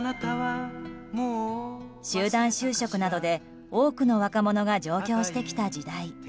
集団就職などで多くの若者が上京してきた時代。